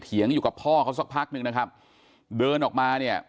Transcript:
เงียงอยู่กับพ่อเขาสักพักนึงนะครับเดินออกมาเนี่ย